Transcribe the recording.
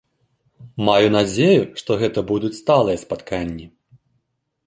Маю надзею, што гэта будуць сталыя спатканні.